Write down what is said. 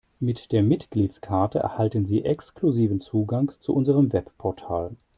Mit der Mitgliedskarte erhalten Sie exklusiven Zugang zu unserem Webportal.